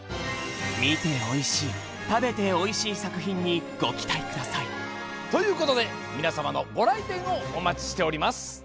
みておいしい食べておいしいさくひんにごきたいくださいということでみなさまのごらいてんをおまちしております。